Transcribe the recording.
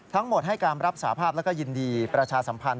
ทั้งหมดให้การรับสาภาพแล้วก็ยินดีประชาสัมพันธ